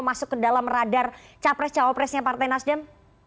masuk ke dalam radar capres cawapresnya partai nasdem